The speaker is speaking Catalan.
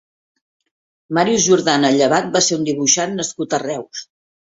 Màrius Jordana Llevat va ser un dibuixant nascut a Reus.